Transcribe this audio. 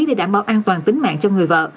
để đảm bảo an toàn tính mạng cho người vợ